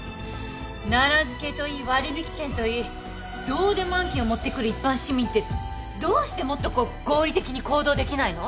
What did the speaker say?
奈良漬といい割引券といいどうでも案件を持ってくる一般市民ってどうしてもっとこう合理的に行動できないの！？